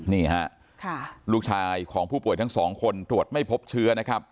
นี่ฮะลูกชายของผู้ป่วยทั้งสองคนตรวจไม่พบเชื้อนะครับ